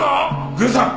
郡さん！